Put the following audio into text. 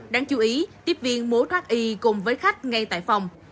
đáng chú ý tiếp viên múa thoát y cùng với khách ngay tại phòng